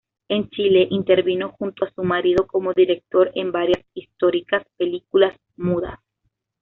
En Chile intervino junto a su marido como director, en varias históricas películas mudas.